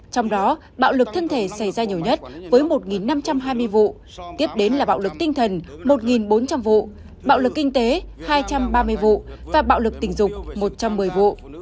trong đó bạo lực thân thể xảy ra nhiều nhất với một năm trăm hai mươi vụ tiếp đến là bạo lực tinh thần một bốn trăm linh vụ bạo lực kinh tế hai trăm ba mươi vụ và bạo lực tình dục một trăm một mươi vụ